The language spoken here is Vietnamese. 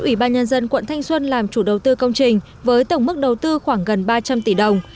ủy ban nhân dân quận thanh xuân làm chủ đầu tư công trình với tổng mức đầu tư khoảng gần ba trăm linh tỷ đồng